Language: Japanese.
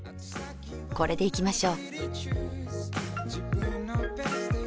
これでいきましょ。